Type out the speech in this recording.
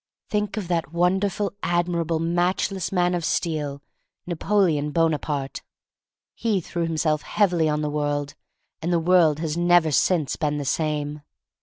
Think of that wonderful, admirable, matchless man of steel, Napoleon Bona parte. He threw himself heavily on the world, and the world has never since been the same.